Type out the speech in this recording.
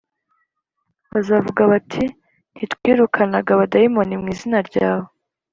Bazavuga bati”ntitwirukanaga abadayimoni mu izina ryawe “